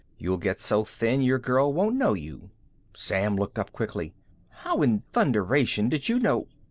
You'll get so thin your girl won't know you." Sam looked up quickly. "How in thunderation did you know